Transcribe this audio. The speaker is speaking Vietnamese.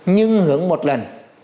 nhưng hướng một lần